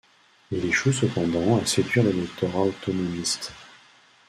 Il échoue cependant à séduire l'électorat autonomiste.